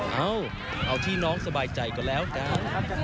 เอาเอาที่น้องสบายใจก็แล้วกัน